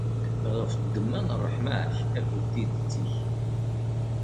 Ɣef ddemma n ṛṛeḥma-k akked tidet-ik!